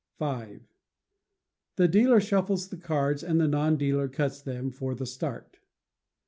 v. The dealer shuffles the cards and the non dealer cuts them for the "start."